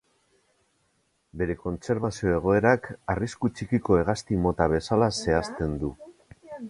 Bere kontserbazio egoerak, arrisku txikiko hegazti mota bezala zehazten du.